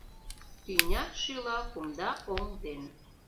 Тӱня шӱла кумда оҥ ден.